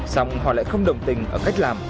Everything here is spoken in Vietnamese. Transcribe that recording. xong họ lại không đồng tình ở cách làm